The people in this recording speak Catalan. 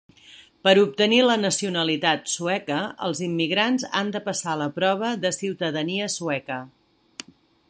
Per obtenir la nacionalitat sueca, els immigrants han de passar la prova de ciutadania sueca.